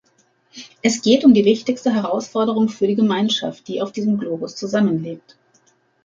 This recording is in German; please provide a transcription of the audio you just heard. Es geht um die wichtigste Herausforderung für die Gemeinschaft, die auf diesem Globus zusammenlebt.